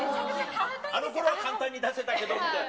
あのころは簡単に出せたけどみたいな。